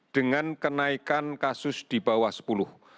dengan kenaikan kasus di bawah sepuluh